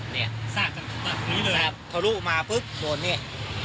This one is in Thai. เนี้ยสาบจากตรงนี้เลยสาบเขาลูกมาพึกโดนเนี้ยเออ